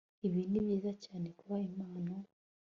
Ibi nibyiza cyane kuba impamo